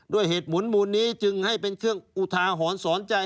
ด้วยเหตุหมุนนี้จึงให้เป็นเครื่องอุทาหรณ์สอนใจ